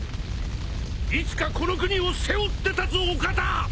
いつかこの国を背負って立つお方！